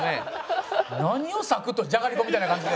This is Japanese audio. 何をサクッとじゃがりこみたいな感じで。